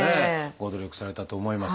ご努力されたと思います。